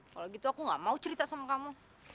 kalau gitu aku gak mau cerita sama kamu